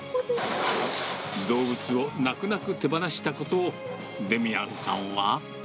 動物を泣く泣く手放したことを、デミアンさんは。